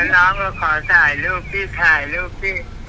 น้องก็ขอถ่ายรูปพี่ถ่ายรูปพี่